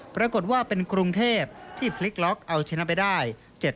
ปรากฏว่าเป็นกรุงเทพที่พลิกล็อกเอาชนะไปได้